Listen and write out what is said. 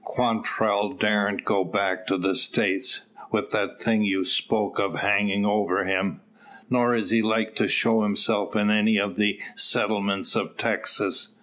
Quantrell darn't go back to the States, with that thing you spoke of hangin' over him. Nor is he like to show himself in any o' the settlements of Texas.